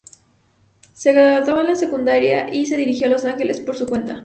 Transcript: Se graduó de la secundaria y se dirigió a Los Ángeles por su cuenta.